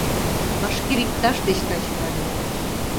Башкир ипташ деч таче нальым